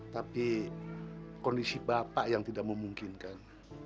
tapi kondisi bapak yang tidak memungkinkan